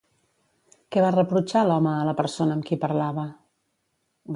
Què va reprotxar l'home a la persona amb qui parlava?